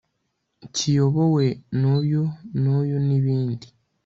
kiyobowe n uyu n uyu n ibindi